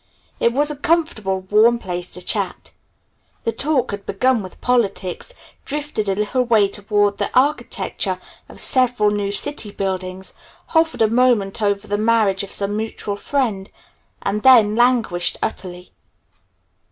It was a comfortable, warm place to chat. The talk had begun with politics, drifted a little way toward the architecture of several new city buildings, hovered a moment over the marriage of some mutual friend, and then languished utterly.